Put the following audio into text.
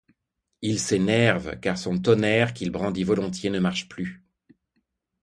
Il s'énerve, car son tonnerre, qu'il brandit volontiers, ne marche plus.